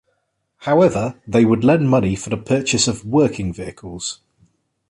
However, they would lend money for the purchase of "working" vehicles.